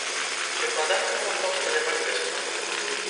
Прыкладанне можна ўсталяваць бясплатна.